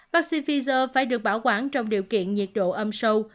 vaccine pfizer phải được bảo quản trong điều kiện nhiệt độ âm sâu